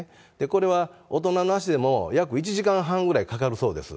これは大人の足でも約１時間半ぐらいかかるそうです。